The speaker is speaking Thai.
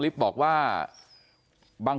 นี่คือรถคันที่เกิดเหตุจริง